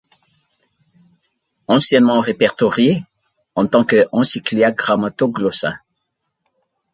Anciennement répertoriée en tant que Encyclia grammatoglossa.